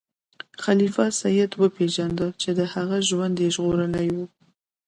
خلیفه سید وپیژنده چې د هغه ژوند یې ژغورلی و.